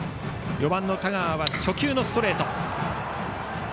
４番の田川、初球のストレート。